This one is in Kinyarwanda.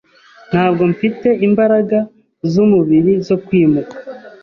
Ntabwo mfite imbaraga zumubiri zo kwimuka.